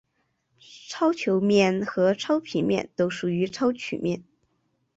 超球面和超平面都属于超曲面。